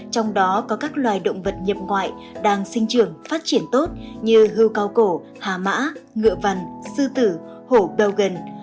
trong đó có các loài động vật nhập ngoại đang sinh trưởng phát triển tốt như hưu cao cổ hà mã ngựa vằn sư tử hổ bèo gần